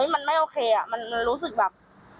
มันไม่โอเคมันรู้สึกแบบ